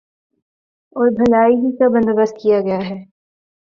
اور بھلائی ہی کا بندو بست کیا گیا ہے